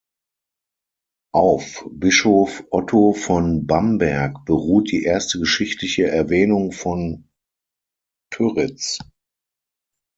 Auf Bischof Otto von Bamberg beruht die erste geschichtliche Erwähnung von Pyritz.